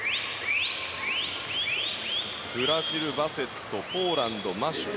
ブラジル、バセットポーランド、マシュク。